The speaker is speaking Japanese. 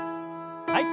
はい。